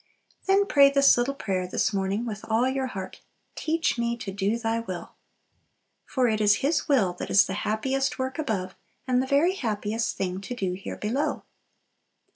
Then pray this little prayer this morning with all your heart, "Teach me to do Thy will." For it is His will that is the happiest work above, and the very happiest thing to do here below.